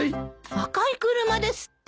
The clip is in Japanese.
赤い車ですって！？